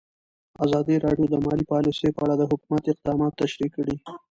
ازادي راډیو د مالي پالیسي په اړه د حکومت اقدامات تشریح کړي.